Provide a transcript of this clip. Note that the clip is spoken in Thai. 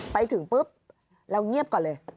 ไปถึงปุ๊บเราเงียบก่อนเลย